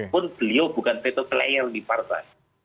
pun beliau bukan veto player di partai